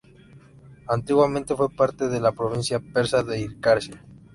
Antiguamente fue parte de la provincia persa de Hircania.